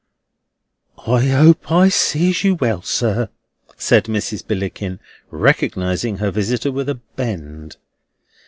"I hope I see you well, sir," said Mrs. Billickin, recognising her visitor with a bend.